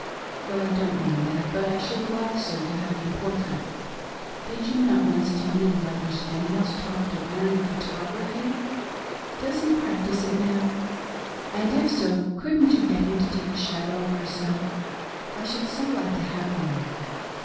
Well, I don't mean that, but I should so like to have your portrait Did you not once tell me that Elder Sten hous'e talked of learning photography ? Does he ever practice it now .' And if so, couldn't you get him to take a shadow of yourself ? I should so like to hava one.